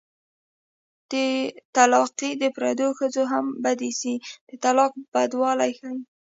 طلاقي د پردو ښځو هم بد ايسي د طلاق بدوالی ښيي